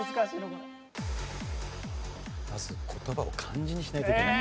まず言葉を漢字にしないといけない。